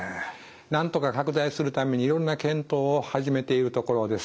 なんとか拡大するためにいろんな検討を始めているところです。